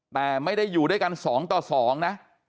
แต่ไม่ได้อยู่ด้วยกัน๒ต่อ๒นะ